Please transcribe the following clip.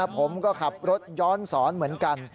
ผมก็ขับรถย้อนสอนเหมือนกัน